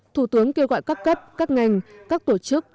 thủ tướng kêu gọi các cấp các ngành các tổ chức các gia đình